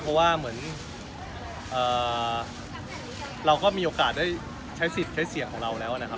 เพราะว่าเหมือนเราก็มีโอกาสได้ใช้สิทธิ์ใช้เสียงของเราแล้วนะครับ